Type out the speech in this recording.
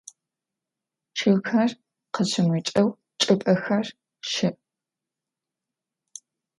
Чъыгхэр къыщымыкӏэу чӏыпӏэхэр щыӏ.